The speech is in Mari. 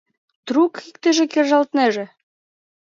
Трук иктыже кержалтнеже?